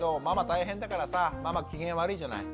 大変だからさママ機嫌悪いじゃない。